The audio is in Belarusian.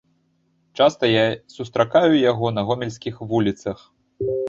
Часта я сустракаю яго на гомельскіх вуліцах.